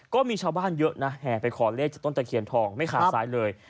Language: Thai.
ก็มีชาวบ้านเยอะนะแห่ไปขอเลขจากต้นตะเคียนทองไม่ขาดซ้ายเลย